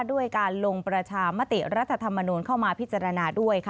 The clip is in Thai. ด้วยการลงประชามติรัฐธรรมนูลเข้ามาพิจารณาด้วยค่ะ